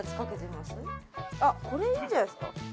あっこれいいんじゃないですか？